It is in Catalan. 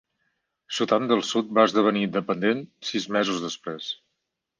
Sudan del Sud va esdevenir independent sis mesos després.